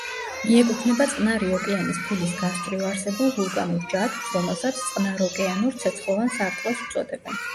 მიეკუთვნება წყნარი ოკეანის ფილის გასწვრივ არსებულ ვულკანურ ჯაჭვს, რომელსაც წყნაროკეანურ ცეცხლოვან სარტყელს უწოდებენ.